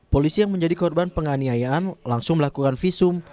polisi yang menjadi korban penganiayaan langsung melakukan visum